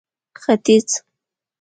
ختيځ